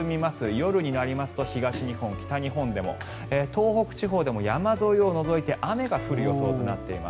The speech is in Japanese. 夜になりますと東日本、北日本でも東北地方でも山沿いを除いて雨が降る予想となっています。